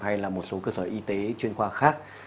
hay là một số cơ sở y tế chuyên khoa khác